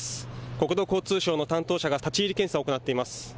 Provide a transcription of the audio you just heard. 国土交通省の担当者が立ち入り検査を行っています。